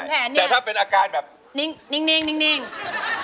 แต่ถ้าเป็นอาการแบบนิ่ง